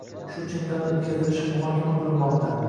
Shu chempionat oʻtkazilishi muhokama qilinmoqda.